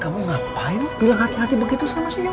kamu ngapain bilang hati hati begitu sama si yoy